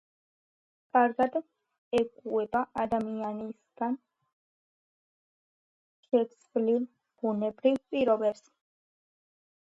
კარგად ეგუება ადამიანისაგან შეცვლილ ბუნებრივ პირობებს.